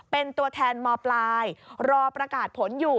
เป็นตัวแทนมปลายรอประกาศผลอยู่